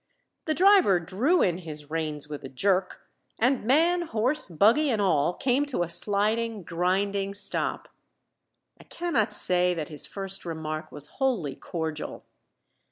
The driver drew in his reins with a jerk, and man, horse, buggy, and all came to a sliding, grinding stop. I cannot say that his first remark was wholly cordial.